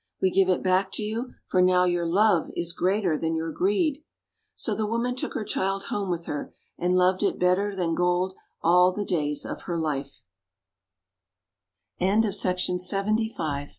WTe give it back to you, for now your love is greater than your greed." So the woman took her child home with her, and loved it better than gold all the days of her li